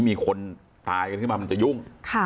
มีคนตายกันขึ้นมามันจะยุ่ง